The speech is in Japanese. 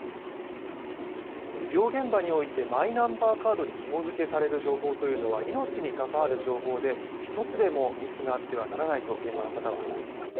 医療現場においてマイナンバーカードにひもづけされる情報というのは命に関わる情報で、一つでもミスがあってはならないと現場の方は話しています。